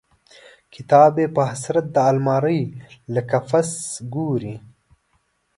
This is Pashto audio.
کتاب یې په حسرت د المارۍ له قفس ګوري